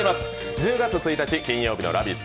１０月１日金曜日の「ラヴィット！」